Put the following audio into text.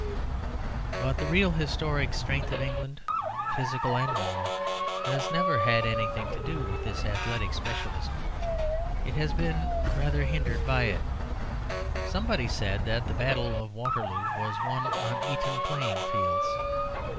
But the real historic strength of England, physical and moral, has never had anything to do with this athletic specialism; it has been rather hindered by it. Somebody said that the Battle of Waterloo was won on Eton playing fields.